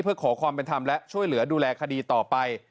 เพื่อขอความเป็นธรรมและช่วยเหลือดูแลคดีต่อไป